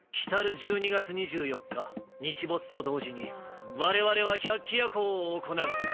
１２月２４日、日没と同時にわれわれは百鬼夜行を行う。